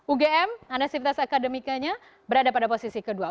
ugm anesitas akademikanya berada pada posisi kedua